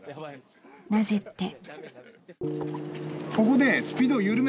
［なぜって］